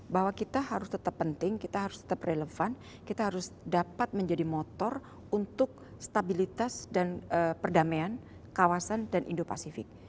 bahwa kita harus tetap penting kita harus tetap relevan kita harus dapat menjadi motor untuk stabilitas dan perdamaian kawasan dan indo pasifik